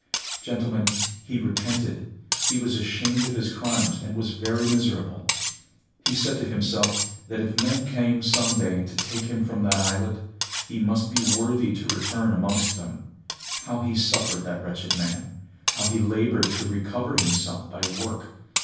"Gentlemen, he repented, he was ashamed of his crimes and was very miserable! He said to himself, that if men came some day to take him from that islet, he must be worthy to return amongst them! How he suffered, that wretched man! How he laboured to recover himself by work!